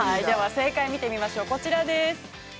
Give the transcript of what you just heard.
◆正解を見てみましょう、こちらです。